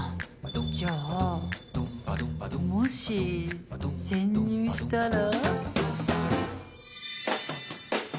じゃあ、もし潜入したら？